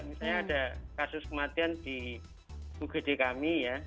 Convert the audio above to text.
misalnya ada kasus kematian di ugd kami ya